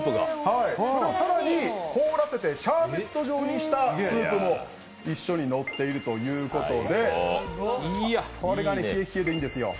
それを更に凍らせてシャーベット状にしたスープも一緒にのっているということでこれが、冷えっ冷えでいいんですよ。